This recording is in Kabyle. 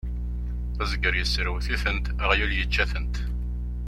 Azger yesserwet-itent, aɣyul yečča-tent.